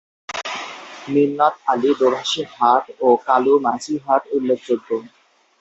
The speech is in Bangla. মিন্নত আলী দোভাষী হাট ও কালু মাঝি হাট উল্লেখযোগ্য।